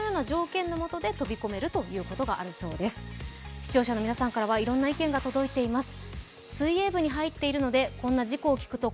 視聴者の皆さんからいろんな意見が届いています。